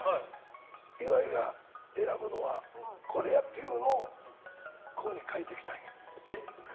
岩井が選ぶのはこれやっていうのをここに書いてきたんや。